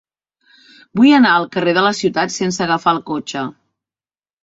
Vull anar al carrer de la Ciutat sense agafar el cotxe.